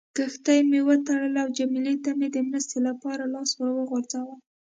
کښتۍ مې وتړله او جميله ته مې د مرستې لپاره لاس ور وغځاوه.